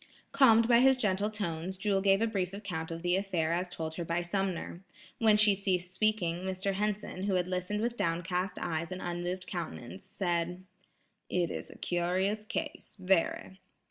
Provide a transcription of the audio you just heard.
Calmed by his gentle tones, Jewel gave a brief account of the affair as told her by Sumner. When she ceased speaking Mr. Henson, who had listened with down cast eyes and unmoved countenance, said: "It is a curious case, very.